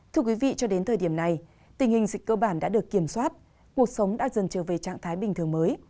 thưa quý vị cho đến thời điểm này tình hình dịch cơ bản đã được kiểm soát cuộc sống đã dần trở về trạng thái bình thường mới